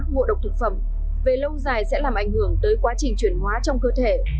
ngộ độc thực phẩm về lâu dài sẽ làm ảnh hưởng tới quá trình chuyển hóa trong cơ thể